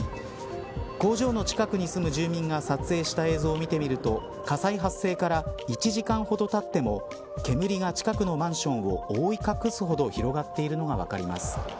工場の近くに住む住民が撮影した映像を見てみると火災発生から１時間ほどたっても煙が近くのマンションを覆い隠すほど広がっているのが分かります。